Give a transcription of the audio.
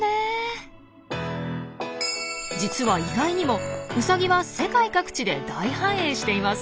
実は意外にもウサギは世界各地で大繁栄しています。